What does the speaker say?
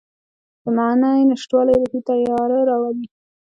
د معنی نشتوالی روحي تیاره راولي.